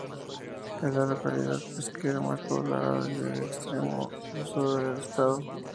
Es la localidad pesquera más poblada del extremo sur del estado.